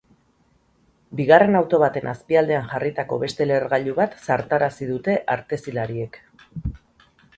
Bigarren auto baten azpialdean jarritako beste lehergailu bat zartarazi dute artezilariek.